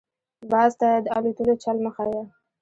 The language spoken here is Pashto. - باز ته دالوتلو چل مه ښیه.